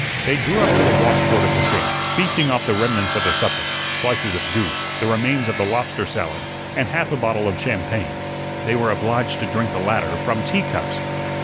They drew up to the washboard of the sink, feasting off the remnants of the supper, slices of goose, the remains of the lobster salad, and half a bottle of champagne. They were obliged to drink the latter from teacups.